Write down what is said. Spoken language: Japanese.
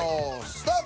スタート！